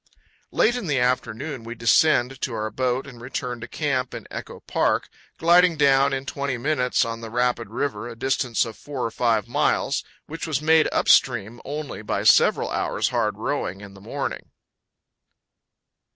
Late in the afternoon we descend to our boat and return to camp in Echo Park, gliding down in twenty minutes on the rapid river, a distance of four or five miles, which was made up stream only by several hours' hard rowing in the morning.